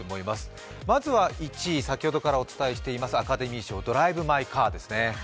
まずは１位、先ほどからお伝えしているアカデミー賞、「ドライブ・マイ・カー」ですね。